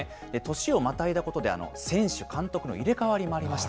年をまたいだことで選手、監督の入れ代わりもありました。